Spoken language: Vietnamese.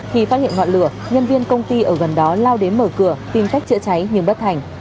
khi phát hiện ngọn lửa nhân viên công ty ở gần đó lao đến mở cửa tìm cách chữa cháy nhưng bất thành